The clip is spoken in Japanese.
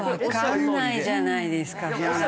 わかんないじゃないですかそんな。